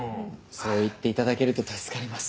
そう言って頂けると助かります。